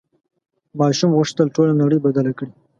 ماشوم غوښتل ټوله نړۍ بدله کړي.